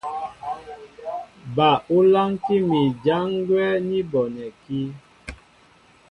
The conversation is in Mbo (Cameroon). Ba ú lánkí mi ján gwɛ́ ní bonɛkí.